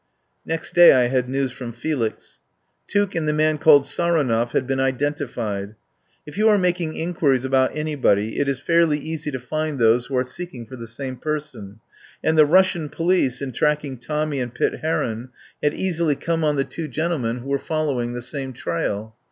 Next day I had news from Felix. Tuke and the man called Saronov had been identi fied. If you are making inquiries about any body it is fairly easy to find those who are seeking for the same person, and the Russian police, in tracking Tommy and Pitt Heron, had easily come on the two gentlemen who 126 I TAKE A PARTNER were following the same trail.